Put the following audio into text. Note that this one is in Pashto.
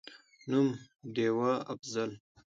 نوم: ډېوه«افضل»